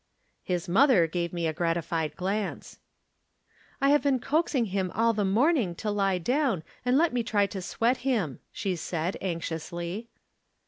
His mother gave me a gratified glance. " I have been coaxing him all the morning to lie down and let me try to sweat him," she said, anxiously.